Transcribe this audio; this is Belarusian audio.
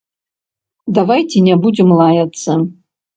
Давайце не будзем лаяцца.